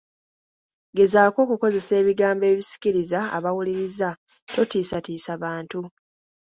Gezaako okukozesa ebigambo ebisikiriza abawuliriza, totiisatiisa bantu.